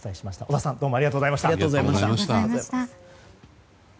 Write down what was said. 織田さんどうもありがとうございました。